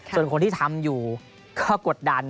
ส่วนคนที่ทำอยู่ก็กดดัน